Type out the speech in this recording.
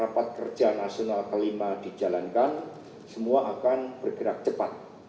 rapat kerja nasional ke lima dijalankan semua akan bergerak cepat